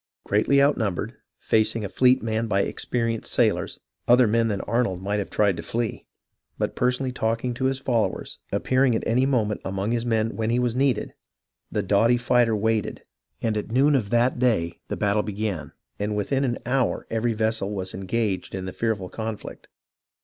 Greatly outnumbered, facing a fleet manned by experienced sailors, other men than Arnold might have tried to flee ; but personally talking to his followers, appearing at any moment among his men when he was needed, the doughty fighter waited, and at noon of that day the battle began, and within an hour every vessel was engaged in the fearful conflict.